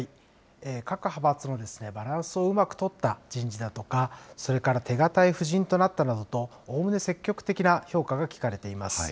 各派閥のバランスをうまく取った人事だとか、それから手堅い布陣となったなどと、おおむね積極的な評価が聞かれています。